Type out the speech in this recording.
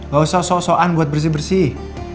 gak usah so soan buat bersih bersih